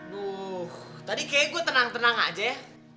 duh tadi kayaknya gue tenang tenang aja ya